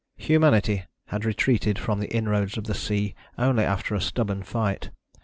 Humanity had retreated from the inroads of the sea only after a stubborn fight.